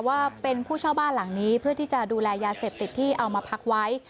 ว่าเป็นผู้เช่าบ้านหลังนี้เพื่อที่จะดูแลยาเสพติดที่เอามาพักไว้